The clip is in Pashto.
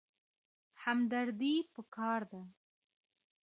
همدردي پکار ده